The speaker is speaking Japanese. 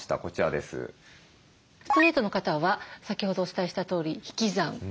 ストレートの方は先ほどお伝えしたとおり引き算ですね。